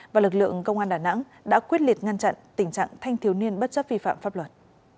và lực lượng công an đà nẵng đã quyết liệt ngăn chặn tình trạng thanh thiếu niên bất chấp vi phạm pháp luật